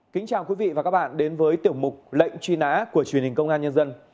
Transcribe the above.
kính chào quý vị và các bạn đến với tiểu mục lệnh truy nã của truyền hình công an nhân dân